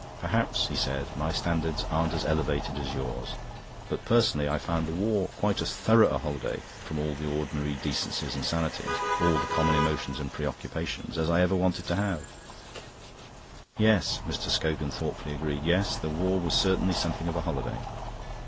"Perhaps," he said, "my standards aren't as elevated as yours. But personally I found the war quite as thorough a holiday from all the ordinary decencies and sanities, all the common emotions and preoccupations, as I ever want to have." "Yes," Mr. Scogan thoughtfully agreed. "Yes, the war was certainly something of a holiday.